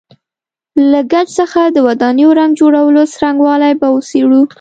له ګچ څخه د ودانیو رنګ جوړولو څرنګوالی به وڅېړو.